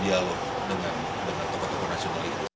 untuk mencoba membangun dialog dengan tokoh tokoh nasional itu